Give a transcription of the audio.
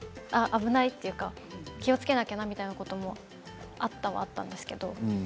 危ないというか気をつけなくちゃなということもあることはあったんですけれど